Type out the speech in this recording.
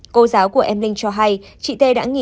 cô giáo của em linh cho hay chị t đã nghĩ là